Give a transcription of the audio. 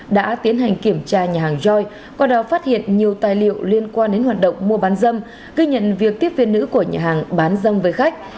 đã tiến hành kiểm tra nhà hàng joy qua đó phát hiện nhiều tài liệu liên quan đến hoạt động mua bán dâm ghi nhận việc tiếp viên nữ của nhà hàng bán dâm với khách